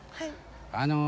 ああ